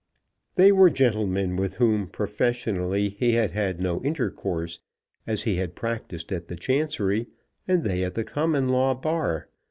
They were gentlemen with whom professionally he had had no intercourse, as he had practised at the Chancery, and they at the Common Law Bar.